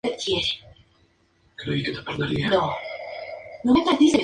Y, como es lógico, decidieron convertirlo en su rey.